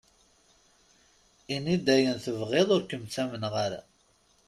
Ini-d ayen tebɣiḍ, ur kem-ttamneɣ ara.